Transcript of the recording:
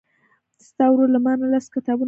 ستا ورور له مانه لس کتابونه وړي دي.